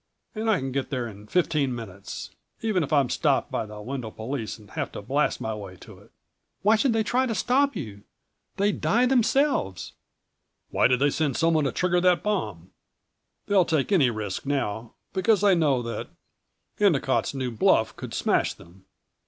And I can get there in fifteen minutes ... even if I'm stopped by the Wendel police and have to blast my way to it." "Why should they try to stop you? They'd die themselves " "Why did they send someone to trigger that bomb? They'll take any risk now, because they know that Endicott's new bluff could smash them.